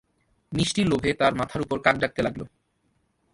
মিষ্টির লোভে তাঁর মাথার ওপর কাক ডাকতে লাগল।